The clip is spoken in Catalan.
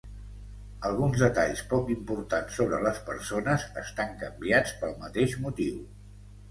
Alguns detalls poc importants sobre les persones estan canviats pel mateix motiu.